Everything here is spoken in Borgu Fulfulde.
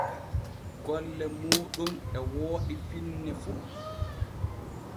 Golle mooɗon e wooɗi finne fu.